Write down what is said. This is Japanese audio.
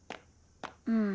うん。